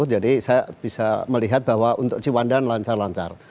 jadi saya bisa melihat bahwa untuk ciwandan lancar lancar